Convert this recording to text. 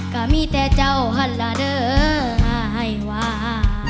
ก็มีแต่เจ้าฮัลล่าเด้อไห้ว่า